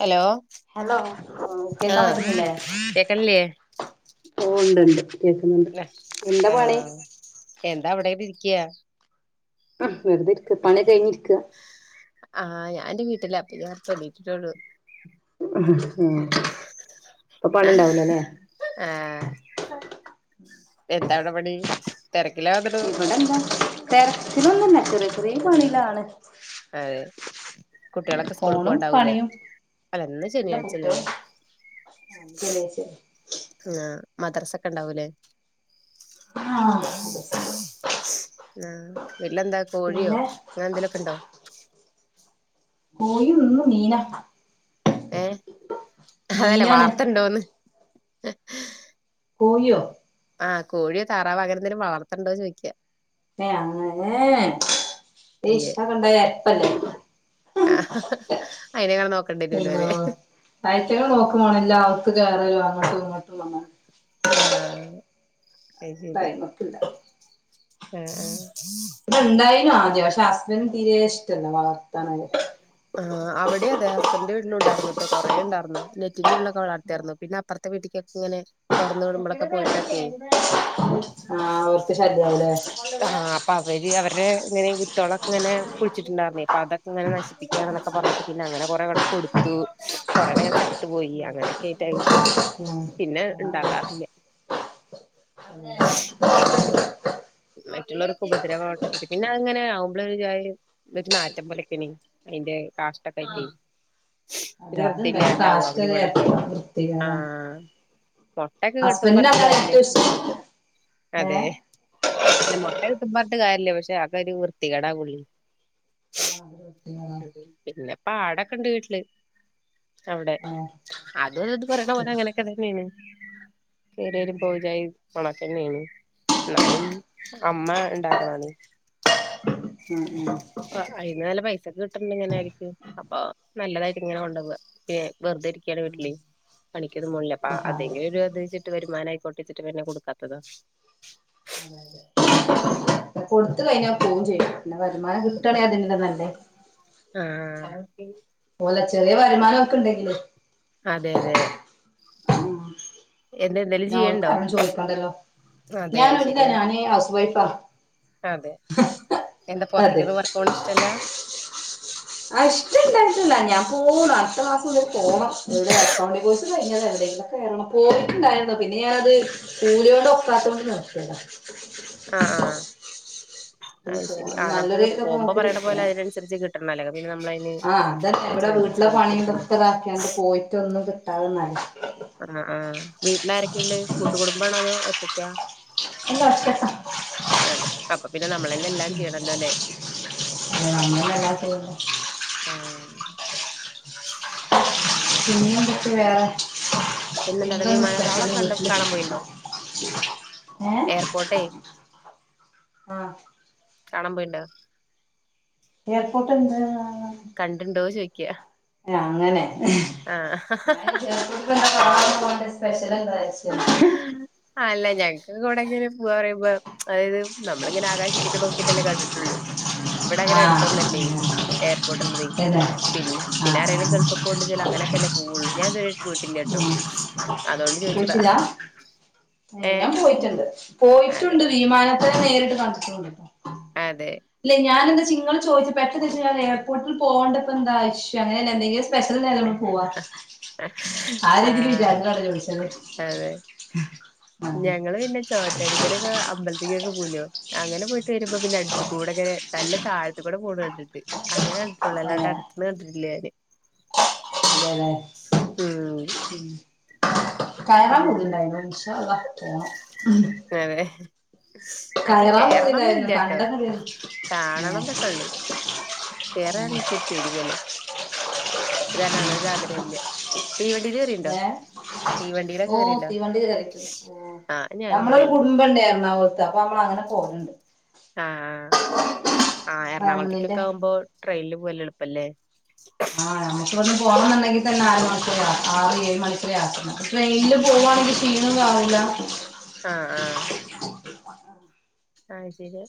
Hello hello കേക്കാൻ ആഹ് പറ്റുന്നില്ലേ? കേക്കണില്ലേ ഓ ഉണ്ട്ണ്ട് കേക്കുന്നുണ്ട് എന്താ പണി? ആഹ് എന്താ അവിടങ്ങട് ഇരിക്ക്യ വെറുതെരിക്ക പണി കഴിഞ്ഞിരിക്ക ആഹ് ഞാൻന്റെ വീ ട്ട് ലാ അപ്പൊഞാൻ ഇപ്പെണിറ്റ്റ്റൊള്ളു ആ അപ്പൊ ആഹ് പണിണ്ടാവൂല ലേ എന്താവിടെ പണി തെര ഇവിടെ എന്താ തരത്തിലൊന്നും ല്ല ചെറ്യ ചെറ്യേ പണിലാണ് അതെ ഉം കുട്ടികളൊക്കെ സ്കൂളിൽ ഫോണും പോകണ്ടാവൂലേ പണിയും അല്ല ഇന്ന് ഇല്ല കുട്ട്യൾ ശനിയാഴ്ചല്ലല്ലേ ആ ന്ന് ശനിയായ്ച്ചല്ലെ ആഹ് മദ്രസ ഒക്കെ ഉണ്ടാവു ലേ ആഹ് മദ്രസണ്ട് ആ വിട്ട്ലെന്താ കോഴിയോ പിന്നെ അങ്ങനെ എന്തേലു ഒക്കെ ഇണ്ടോ കോഴി നിന്നു മീന ഏ അ ഹല്ല വളർത്ത്ണ്ടോന്ന് കോയൊ ആഹ് കോഴിയോ താറാവൊ അങ്ങനെ എന്തെലും വളർത്ണ്ടോ ചോയിക്കാ ഏ അങ്ങനെ ഏഎ ഇഷ് ഇല്ലേ അതൊക്കണ്ടായാ പ്പല്ലേ ആഹ് അയിനേങ്ങാനും നോക്കണ്ടി വരൂലോ എല്ലോ അതെ തയചക നോക്ക പോോണ എല്ല അവക്ക് കേയറാലോ അങ്ങോട്ട് പട്ടോ ആഹ അ ശരി ഇണ്ടായിമക്കില്ല ഉം ഉ ഹ തെ പക്ഷെ ഹസ്ബൻഡറ് തീരെ ഇഷ്ടമല്ല വള ആ അവിടെ അതെ ഹസ്ബൻഡ് വീട്ടില ഉണ്ടായിന്ന കേട്ടോ കൊറെേ ഉണ്ടായിരുന്നു നെറ്റിന്റെള്ളൊക്കെ അവളത്തായിരുന്നു പിന്നെ അപ്പറ മത്തെ വീട്ടിക്കൊക്കെ ഇങ്ങനെ തുറന്ന വിടുമ്പോഴൊക്കെ പോയിട്ടൊക്കെയ ആഹ് അവർക്ക് ശല്യാവുലേ ആ ആ അപ്പൊ അവര് അവരുടെ ഇങ്ങനെയ തുളക്ക ഇങ്ങനെ കുളിച്ചിട്ടുണ്ടായിുന്നരുന്നു ഇപ്പൊ അത് അങ്ങനെ നശിപ്പിക്കാന ഒക്കെ പറഞ്ഞിട്ട് പിന്നെ അങ്ങന കൊറേണ്ണം കൊടുത്തു കൊറെേണങ്ങ ചത്തുപ പോയി അങ്ങനെ കേ ഉം പിന്നെ ഉണ്ടാക്കാറില്ല മറ്റുള്ളവർക്ക് ഉപദ്രവം പിന്നെ അങ്ങനെ ആകുമ്പോഴേ ഒരു നാറ്റം പോലെ അതിന്റെ ഉം കാഷ്ടമൊക്കെയായിട്ടേ അതെ അത് കാഷ്ടമൊക്കെ ഇട്ടാൽ വൃത്തികേടാണ് മുട്ടയൊക്കെ കിട്ടുമെന്ന് ഹസ്ബൻഡിന് പറഞ്ഞിട്ട് അതാണ് ഏറ്റവും കാര്യമില്ല ഇഷ്ടം അതെ ഏഹ് അല്ല മുട്ട കിട്ടുമെന്ന് പറഞ്ഞിട്ട് കാര്യമില്ല ഇല്ല പക്ഷെ അതൊരു വൃത്തികേടാവൂല്ലേ. [inaudible] പിന്നെ പാടാ കണ്ട് വീട്ടില് അവിടെ ആഹ് അത് ഇത് പറയണപോലെ അങ്ങനെയൊക്കെ ഉം തന്നെയാണ്. [unintelligible] ഉണക്കമീനും എന്നാലും അമ്മ ഉണ്ടാക്കണതാണ്. ആഹ് ആഹ് നിനക്ക് കിട്ടുന്നുണ്ടെങ്കിൽ എങ്ങനെയായിരിക്കും അപ്പൊ നല്ലതായിട്ട് ഇങ്ങനെ കൊണ്ടുപോകാം വെറുതെ ഇരിക്കുവാണ് വീട്ടിൽ പണികൊന്നും പോണില്ല അപ്പം അതെ അതെങ്കിലും ഒരു. [unintelligible] ഇതിട്ട് വരുമാനമായിക്കോട്ടേന്ന് വെച്ചിട്ട് പിന്നെ കൊടുക്കാത്തതാ. കൊടുത്ത് കഴിഞ്ഞാൽ പോകുകയും ചെയ്യും. പിന്നെ വരുമാനം കിട്ടണേൽ അത് നല്ല. ഉം അതുപോലെ ചെറിയ വരുമാനൊക്കെണ്ടെങ്കില് അതെ അതെ ഉം എന്ത് എന്തേലും ആർക്കും ചെയ്യണ്ടോ ആരോടും ചോയിക്കണ്ടല്ലോ അതെ ശരിയാണ് ഞാന് ഹൗസ് വൈഫാ അതെ എന്താ അതെ പൊറത്തേക്കൊന്നും വർക്കിന് പോണ ഇഷ്‌ടല്ല അ ഇഷ്‌ടല്ലാഞ്ഞിട്ടല്ല ഞാൻ പോവ്വാ. പോണം എവിടെലും അക്കൗണ്ടിംഗ് കോഴ്‌സ് എവിടെങ്കിലുംക്കെ കേറണം. പോയിട്ടുണ്ടായിരുന്നു പിന്നെ ഞാനത് കൂലികൊണ്ട് ഒക്കാത്തോണ്ട് നിർത്തിതാ. അ ആ അ പിന്നെ അത് ശരി പോണം നമുക്ക് നല്ലൊരു ഇതൊക്കെ പോവുമ്പ നോക്കിട്ട് പറയണ പോലെ പോണം അതിനനുസരിച്ച് കിട്ടണല്ലോ ആ അതന്നെ ഇവ്ടെ വീട്ട്ലെ പണീം നിർത്തലാക്കിയാണ്ട് പോയിട്ടൊന്നും അഅ് ന്ന ആഹ് ആഹ് വീട്ട്ല് ആരെക്കള്ളേ കൂട്ടുകുടുമ്പാ ണോ അതോ ഒറ്റക്കാ? എന്താ ഒച്ചപ്പാ ആണ് അപ്പ പിന്നെ നമ്മളന്നെ എല്ലാം ചെയ്യണല്ലോല്ലേ- അത് നമ്മളെല്ലാ ചെയ്യണ്ട ആ [inaudible] പിന്നെന്തുട്ട് വേറെ പിന്നെന്താടാ എന്താ ന്ന് സ്പെഷ്യല് വിമാനത്താവളൊക്കെ കണ്ട് വീട്ട്ല് കാണാൻ പോയിണ്ടോ ഏ എയർപോർട്ടേ അ കാണാൻ പോയിണ്ടോ. എയർപോർട്ട് എന്താ. കണ്ടിടുണ്ടോ ചോദിക്ക ക്യാ ന അങ്ങനെ. ഞാൻ [inaudible] സ്പെഷ്യൽ സ്പെഷ്യൽ എന്ത വെച്ചെ? അല്ല ഞങ്ങക്ക് എവിടെ എങ്ങനെ പോവാ പറയുമ്പോ അതായത് നമ്മള് ഇങ്ങനെ ആകാശത്തേക്ക് നോക്കിട്ടല്ലേ കണ്ടിട്ടുള്ളു. ഇവിടെ അങ്ങനെ ആഹ് അടുത്തൊന്നല്ലേ എയർപോർട്ട് ഉള്ളത് അതെ ആഹ് പിന്നെ പിന്നെ ആരെലും ഗൾഫ് ആഹ് പോകുടെങ്കിൽ അങ്ങനെയൊക്കെല്ലേ പോവുള്ളൂ ഞാൻ ഇതു വരെ യായിട്ടു പോയിട്ടില്ലേ കേട്ടോ അതുകൊണ്ട് ചോദിച്ച ട്ടില്ല ഞാൻ പോയിട്ടുണ്ട് അതെ പോയിട്ടുണ്ട് വിമാനാ അത് നേരിട്ട് കണ്ടിട്ടുണ്ട്. അതെ ലെ ഞാൻ എന്ത് ചോദി പെട്ടെന്ന് [unintelligible] ഞാൻ എയർപോർട്ടിൽ പോകേണ്ടപ്പോ എന്താവിശ്യ അങ്ങനെ എന്തെങ്കിലും. സ്പെഷ്യൽ നേരം കൊണ്ട് പോവാ ആ രീതിൽ ആഹ് വിചാരിച്ചാണ് ചോദിച്ചത്. അതെ ആഹ് ഞങ്ങള് പിന്നെ ചോറ്റാനിക്കര ഒക്ക അമ്പലത്തേക്കൊക്കെ കൂലോ അങ്ങനെ പോയി തരുമ്പോ പിന്നെടുത്ത കൂടെങ്ങെനെ നല്ല താഴത്തി കൂടെ പോൂണ് കണ്ടിട്ട് അങ്ങനെ ഏഹ് അടുത്തുനിന്ന് കണ്ടിട്ടില്ല ഞാൻ [inaudible] [inaudible] അതെല്ലേ ആ ഉം കയറാൻ പതിണ്ടായിരുന്നു ഇൻഷാ അള്ളാ പോണം അതെ അക്കി കയറാൻ പൂ തിണ്ടായിരുന്നു കേറണംന്നില്ലട്ടോ കണ്ട ആ കാണണം എന്നൊക്കെ ഉള്ളു ഇവർ അങ്ങനെ ആഗ്രഹമില്ലേ ഏ ഓ കേറിണ്ടോ തീവണ്ടി കേറിക്കണ് ഓ ആഹ് ഞാനും നമ്മളരു കേറിണ്ട് കുടുംബണ്ടായിരുന്ന എറണാകുളത്ത് അപ്പൊ നമ്മള് അങ്ങനെ പോകലണ്ട് ആ ആ ഫാമിലിന്റെ എറണാകുളത്തേക്കൊക്കെ ആവുമ്പോ ട്രെയിനിൽ പോവാൻ നല്ലേ എളുപ്പല്ലേ ആ അപ്പന്ന് പോണുണ്ടെങ്കിൽ തന്നെ ആര മണിക്ക ആറ് ഏഴ് മണിക്കൂയാത്ര ട്രെയിനില് പോകുവാണെങ്കിൽ ക്ഷീണവും കാണുലാ ആ ആ [inaudible] ആഴ്ചയില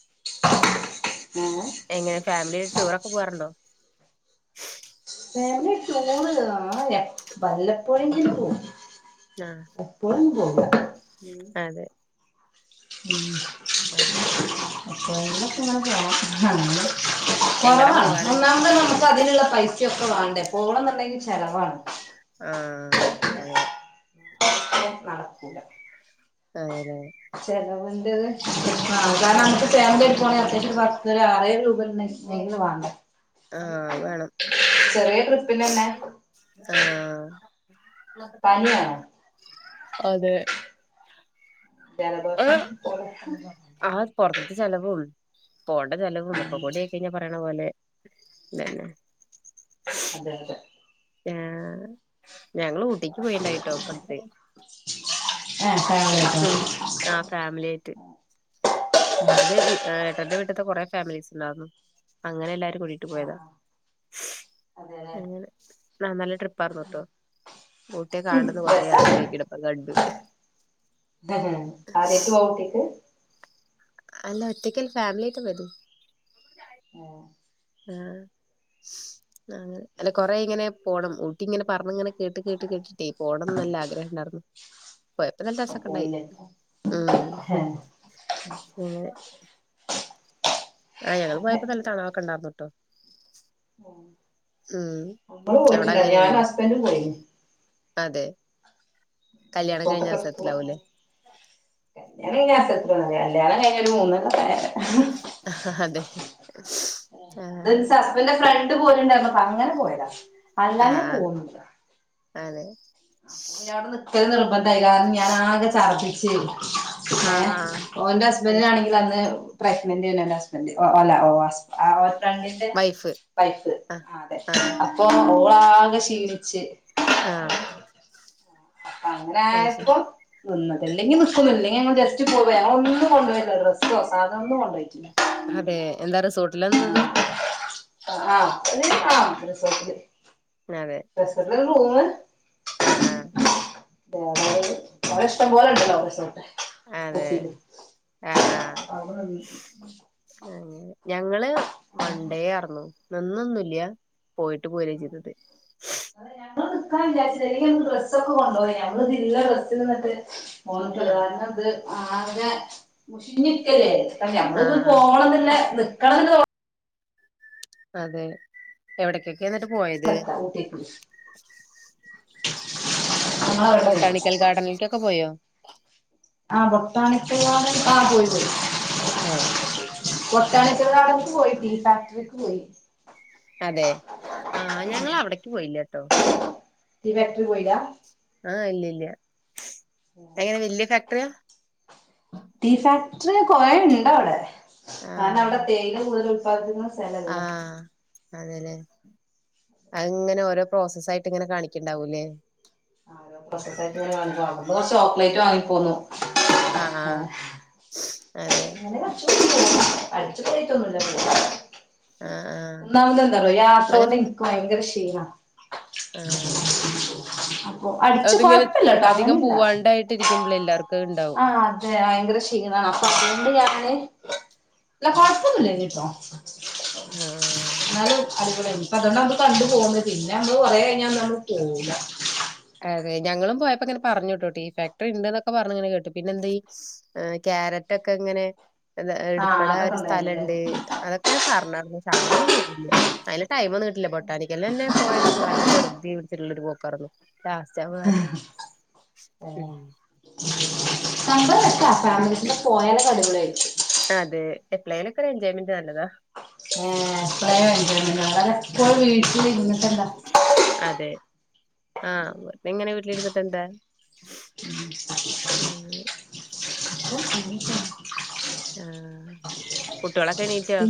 എങ്ങനെ ഫാമിലി ടൂറൊക്കെ പോവാറുണ്ടോ ഫാമിലി ടൂർ ആ വല്ലപ്പോയെങ്കിലും പോകും ആഹ് എപ്പോഴും പോ ഉം ഉം ആഹ ആണ് എങ്ങടാ കൊറവാണ് പോവാറ് ഒന്നാമത് നമുക്ക് അതിനുള്ള പൈസ വേണ്ടേ പോണം എന്നുണ്ടെങ്കിൽ ചിലവാണ് ആഹ അതെ നടക്കൂല അതെലെ ചെലവന്റെത് കാരണം ആഹ് നമുക്ക് ഫേമിലി എടുക്കണെങ്കിൽ അത്യാവശ്യം പത്ത് ആറായിരം രൂപങ്കിലും വേണം ആഹ അത് വേണം ചെറിയ ട്രിപ്പിനന്നെ ആഹ പനിയാണ് അതെ ഏ ജലദോഷം പോലെ ആ പുൊറത്ത ചലവും പോകണ്ട ചലവവുംുമൊക്ക ആഹ് കൂടി ഒക്കിഞ്ഞാ പറണ പോലെ ഇല്ല [unintelligible] അതെ അതെ ആ ഞങ്ങള് ട്ടക്ക് പോയിണ്ടായിട്ടോ ഏഹ് ഫാമിലി ആയിട്ടോ ആ ഫാമിലി ആയിട്ട് അത് ഏട്ടന്റെ വീട്ടത്തെ കൊറെ ഫാമിലീസ് ഉണ്ടുന്നു അങ്ങനെ എല്ലാരും കൂടിട്ട് പോയതാ ആഹ് അതെല്ലേ അങ്ങനെ ആ നല്ല ട്രിപ്പായിന്നട്ടോ ഊട്ടിയെ ഉം കാണന്ന് കൊറ ആഗ്രഹിക്കടപ്പ ഗണ്ടു [unintelligible] ആരറ്റു പോകട്ടേക്ക് അല്ല ഒറ്റക്കല്ല ഫാമിലിട്ട വരും ഏഹ് ആങ്ങനെ അല്ല കൊറെ ഇങ്ങനെ പോണം ഊട്ടി ഇങ്ങനെ പറഞ്ഞ ഇങ്ങനെ കേട്ട് കേട്ട് കേട്ടിട്ടേ പോണംന്ന് നല്ല ആഗ്രഹം ഉണ്ടായിരുന്നു പോയ നല്ല അപ്പൊ രസൊക്കെ ഉണ്ടായി പോയില്ലട്ടോ ഉ ഏഹ് നിങ്ങെ [unintelligible] ആഹ ഞങ്ങള്ൾ അതെ പോയപ്പോ നല്ല തണൊക്കെ ഇണ്ടാവന്നട്ടോ ഉം നമ്മള് അവിടെ പോയിട്ടില്ല ഞൻ അങ്ങനെയാണല്ലോ ഹസ്ബൻഡും പോയിു കല്ല്യാണം കഴിഞ്ഞ അവസരത്തിലാവൂലേ കല്യാണം [unintelligible] കല്യാണം കഴിഞ്ഞ് ഒരു മൂന്ന്‌ അ ഹ അതെ ആ [unintelligible] ഹസ്ബറ്റിന്റെ ഫ്രണ്ട് പോയി ണ്ടായിരുന്നു അപ്പ അങ്ങനെ പോയതാ ആ ആ അല്ലാതെ ഞാൻ പോകുന്നുല്ല അതെ പിന്നെവിടെ നിക്കൽ നിർബന്ധമായി കാരണം ഞാൻ ആകെ ചർദി ശെരി ആ ഏ ആ ഓന്റെ ഹസ്ബന്റിനാണെങ്കിൽ അന്ന് പ്രക്നന്റ്നായിന്നു എന്റെ ഹസ്ബന്റ് അല്ല ഓ ഹസ് ആ ഹസ് ഫ്രണ്ടിന്റെ വൈഫ് വൈഫ് ആ അതെ അപ്പൊ ഓളാകെ ക്ഷീണിച്ച് ആ അപ്പൊ അങ്ങനെ അത് ശരി ആയപ്പം നിന്നത് അല്ലെങ്കിൽ നിക്കൊന്നുല്ല ഇല്ലങ്കിൽ ജസ്റ്റ് പോ ഞങ്ങൾ ഒന്നും കൊണ്ട് പോയില്ല ഡ്രസ്സോ സാധനോ ഒന്നും കൊണ്ട്പോയിട്ടില്ല അതെ എന്താ റിസോർട്ടിലാനിന്നത് ആ ആ റിസോട്ടില് അതെ റൂമ് അ ആ [unintelligible] അവിടെ ഇഷ്ടം പോലണ്ടല്ലോ റിസോട്ട് [inaudible] അതെ ആ ആ അങ്ങനെ ഞങ്ങള് വൺണ്ടേ ആർന്നു നന്നൊന്നുംല്ല പോയിട്ട് പോരാ ചെയ്തത് നമ്മള് ന നിക്കാനില്ല ച ഡ്രസ് ഒക്കെ കൊണ്ടുപോയി നമ്മൾ ഇല്ല ഡ്രസ്സിൽ നിട്ട് പോയിട്ടുള്ളത് ആ കാരണം അത് ആ അ മുഷിഞ്ഞിരിക്കല്ലേ അ ആ ഞമ്മളിത് ആ പോകണം എന്നില്ല കണങ്ക അതെ എവിടക്ക എന്നിട്ട് പോയത് എത്താ ഊട്ടിക്ക് നമ്മളവിടെ ബൊട്ടാണിക്കൽ ഗാർഡനിലേക്കൊക്കെ പോയോ ആ ബോട്ടാണികൽ ഗാർഡനിൽ ആ പോയി പോയി ഉം [inaudible] അതെ ആഞങ്ങ അവിടേക്ക് പോയില്ലേ ട്ടോ ടീ ഫാക്ടറി പോയില്ല ആ ഇല്ല ഇല്ല എങ്ങനെ വല്യ ഫാക്ടറിയാ ടീ ഫാക് റ്ററി കുറെഉണ്ടവിടെ ആ ഞാൻ അവിടെ തേയില കൂടുതലും പ്പതിന്നു ആ അതെ ല്ലേ അതിങ്ങനെ ഓരോ പ്രോസസായിട്ട് ഇങ്ങനെ കാണിക്കണ്ടാവൂല്ലേ ആ പ്രോസസായിട്ട് ഇങ്ങനെ കാണിക്കും [unintelligible] ചോക്ലേറ്റ് വാങ്ങിപ്പോന്നു ആ ആ അതെ [unintelligible] അടിച്ചു പോയിട്ടൊന്നില്ല [unintelligible] ആഹ് ആഹ് ഒന്നാമത് എന്താറിയോ യാത്ര കൊണ്ട് അങ്ങനെ എനിക്ക് ഭയങ്കര ക്ഷീ ട്ടീനാ ആഹ് അപ്പൊ അടിച്ച് അതിങ്ങനെ കൊഴപ്പില്ലട്ടോ അധികം അങ്ങനില്ല പൂവാണ്ടായിട്ടിരിക്കുമ്പളെ എല്ലാർക്കും ആ അത്ണ്ടാവും അതെ ഭയങ്കര ക്ഷീണാണോ ഉണ്ട് ഞാന് ഇല്ല കൊ യപ്പോന്നൂല്ലെന്നു ട്ടോ ആഹ് എന്നാലും അടിപൊളിയാരുന്നു അപ്പ അതുകൊണ്ട് നമ്മള് കണ്ടു പോകുന്നത് പിന്നെ നമ്മ കൊറെ കഴിഞ്ഞ നമ്മള് പോകുല്ല അതെ ഞങ്ങളും പോയപ്പോ ഇങ്ങനെ പറഞ്ഞുട്ടോ ടീ ഫാക്ടറിണ്ട് ന്നൊക്കെ പറഞ്ഞു ഇങ്ങനെ കേട്ടു പിന്നെന്തെ ക്യാരറ്റ് ഒക്കെ ഇങ്ങനെ ആ എടുക്കട ഒരു അതൊക്കെ സ്ഥലംണ്ട് ഉണ്ടായിനില്ലേ അതൊക്കെങ്ങനെ പറഞ്ഞ പശ് അങ്ങട്ടന്നും പോയില്ല. അയിന് ടൈം ഒന്നും കിട്ടില്ല ബ തടിക്കല്ലെന്നെ പോയത് അല്ല ദൃ ജീവിതത്തിലുള്ളരു പോക്കാറുന്നു ലാസ്റ്റാവാർന്ന് ഉം സമ്പളം അങ്ങനെ [unintelligible] ഫാമിലീസിന്റെ പോയാലൊക്കെ അടിപൊളി ആയിരിക് അതെ എപ്പ്ളേലൊക്കൊരു എൻജോയ്മെന്റ് നല്ലതാ ഏ പ്പളേ വണ്ട്യന്ന് [unintelligible] ആഹ് വീട്ടിലിര്ന്നിട്ടന്താ ആ വെർതെങ്ങനെ വീട്ടിലിരുന്നിട്ട് എന്താ ആ ആ കുട് കുട്ടികളൊക്കെ എണീറ്റോ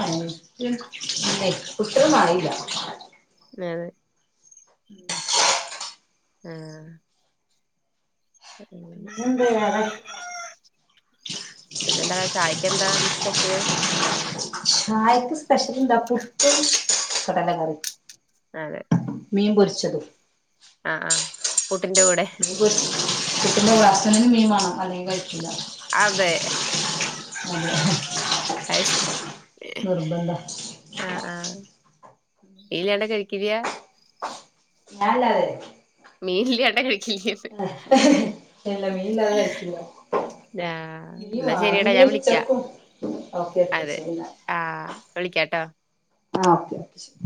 ആ [unintelligible] മാറില്ല അതെയതെ ആ പിന്നെ എന്ത് വേറെ പിന്നെ എന്താ ചായക്ക് എന്താ സ്പെഷ്യല് ചായക്ക് സ്പെഷ്യൽ എന്താ പുട്ട് കടല കറി അതെ മീൻ പൊരിച്ചതും ച്ചതും ആഹ് ആഹ് പുട്ടിന്റെ കൂടെ കുട്ടീന്റെ [unintelligible] മീൻ വേണം അല്ലെങ്കിൽ അതെ അതെ അത് ശരി നിർബന്ധ ആഹ് ആഹ് മീനില്ലാണ്ട് കഴിക്കില്ലയാ ഞാനല്ല അത് മീനില്ലാണ്ട് കഴിക്കില്ല ആഹ് ഇല്ല മീൻ ഇല്ലാതെ കഴിക്കില്ല ആഹ് മീൻ എന്നാ ശരിയടാ ഞാൻ വിളിക്കാം വാങ്ങിച്ചേക്കും ഓക്കെ ഓക്കെ അതെ ശരി എന്നാ ആഹ് വിളിക്കാട്ടോ ആഹ് ഓക്കെ ശരി